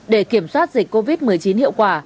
để kiểm soát dịch covid một mươi chín hiệu quả